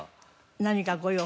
何かご用？